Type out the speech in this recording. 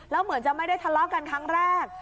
แล้วเหมือนจะไม่ได้ทะเลาะกันครั้งแรก